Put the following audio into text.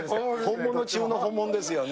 本物中の本物ですよね。